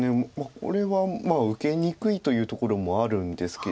これは受けにくいというところもあるんですけど。